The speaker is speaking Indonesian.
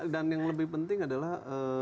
dan yang lebih penting adalah